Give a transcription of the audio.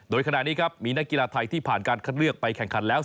โดยขณะนี้ครับมีนักกีฬาไทยที่ผ่านการคัดเลือกไปแข่งขันแล้ว